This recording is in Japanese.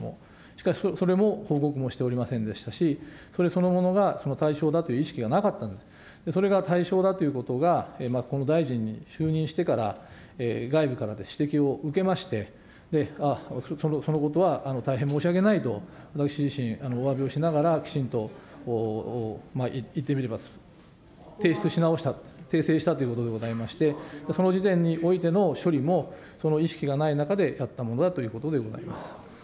しかし、それも報告もしておりませんでしたし、それそのものが対象だという意識がなかったので、それが対象だということが、この大臣に就任してから、外部から指摘を受けまして、あっ、そのことは大変申し訳ないと、私自身、おわびをしながら、きちんと、言ってみれば提出し直したと、訂正したということでございまして、その時点においての処理も、その意識がない中でやったものだということでございます。